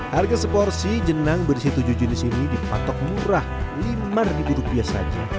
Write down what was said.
harga seporsi jenang bersih tujuh jenis ini dipatok murah lima ribu rupiah saja